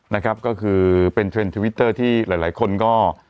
นะครับก็คือเป็นเทรนด์ทวิตเตอร์ที่หลายคนก็